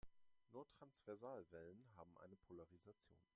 Nur Transversalwellen haben eine Polarisation.